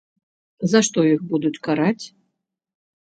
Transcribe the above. За што іх будуць караць?